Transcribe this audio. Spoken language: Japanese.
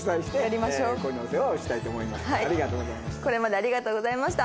これまでありがとうございました。